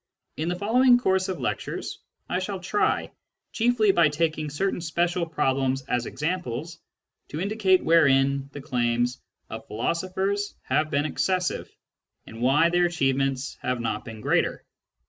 In the following course of lectures I shall try, chiefly by taking certain special problems as examples, to indicate wherein the claims of philosophers have been excessive, and why their achievements have not been greater.